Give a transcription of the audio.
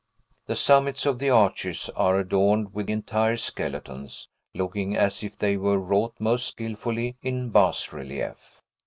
The summits of the arches are adorned with entire skeletons, looking as if they were wrought most skilfully in bas relief.